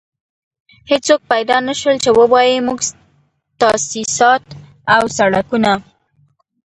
هېڅوک پيدا نه شول چې ووايي موږ تاسيسات او سړکونه.